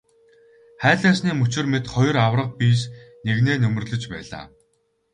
Хайлаасны мөчир мэт хоёр аварга биес нэгнээ нөмөрлөж байлаа.